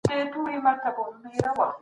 د ټاکنو خوندیتوب څوک ساتي؟